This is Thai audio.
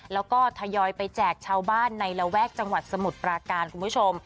แล้วก็ทยอยไปแจกชาวบ้านในระแวกจังหวัดสมุทรปราการคุณผู้ชม